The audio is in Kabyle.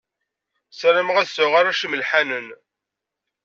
Sarameɣ ad sɛuɣ arrac imelḥanen.